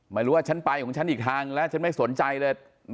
ไม่รู้ว่าฉันไปของฉันอีกทางแล้วฉันไม่สนใจเลย